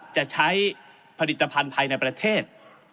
จะใช้ผลิตภัณฑ์ภายในประเทศ